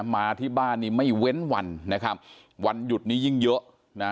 มาที่บ้านนี้ไม่เว้นวันนะครับวันหยุดนี้ยิ่งเยอะนะ